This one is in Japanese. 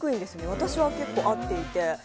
私は結構合っていて。